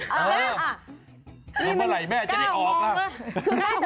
เมื่อไหร่แม่จะได้ออก